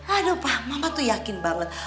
aduh pak mama tuh yakin banget